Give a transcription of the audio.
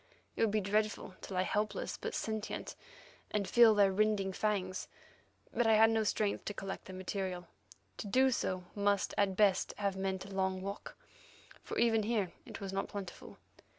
It would be dreadful to lie helpless but sentient, and feel their rending fangs. But I had no strength to collect the material. To do so at best must have meant a long walk, for even here it was not plentiful.